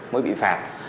mới bị phạt